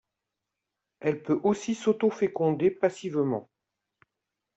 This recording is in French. Elle peut ainsi s'autoféconder passivement.